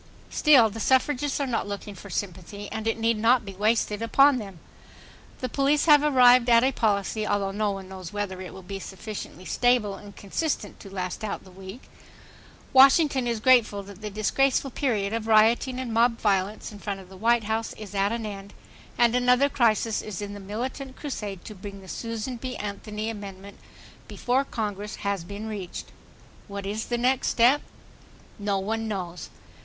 Still, the suffragists are not looking for sympathy, and it need not be wasted upon them. The police have arrived at a policy, although no one knows whether it will be sufficiently stable and consistent to last out the week .... Washington is grateful that the disgraceful period of rioting and mob violence in front of the White House is at an end, and another crisis in the militant crusade to bring the Susan B. Anthony amendment before Congress has been reached. What is the next step? No one knows.